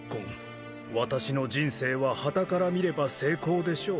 私の人生ははたから見れば成功でしょう。